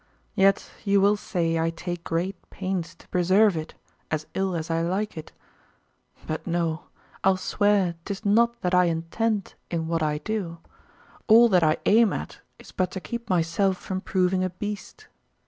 Yet you will say I take great pains to preserve it, as ill as I like it; but no, I'll swear 'tis not that I intend in what I do; all that I aim at is but to keep myself from proving a beast.